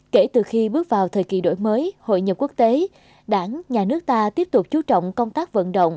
kể từ khi bước vào thời kỳ đổi mới hội nhập quốc tế đảng nhà nước ta tiếp tục chú trọng công tác vận động